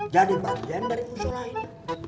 jadi bagian dari musyola ini